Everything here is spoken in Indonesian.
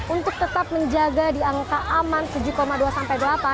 untuk tetap menjaga di angka aman tujuh dua sampai delapan